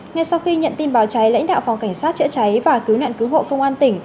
ngay sau khi nhận tin báo cháy lãnh đạo phòng cảnh sát chữa cháy và cứu nạn cứu hộ công an tỉnh